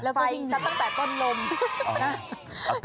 ตัดไฟซะตั้งแต่ก้นลม